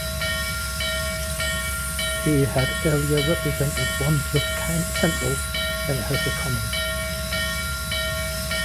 He had earlier represented Wandsworth Central in the House of Commons.